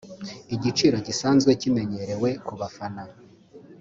igiciro kidasanzwe kimenyerewe ku bafana